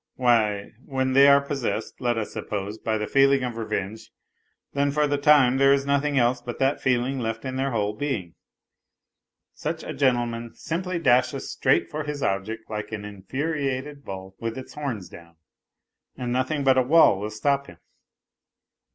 Why, when they are possessed, let us suppose, by the feeling of revenge, then for the time there is nothing else but that feeling left in their whole being. Such a gentleman simply dashes straight for his object like an infuriated bull with its horns down, and nothing but a wall will stop him.